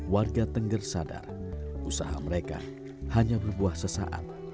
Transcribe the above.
warga tengger sadar usaha mereka hanya berbuah sesaat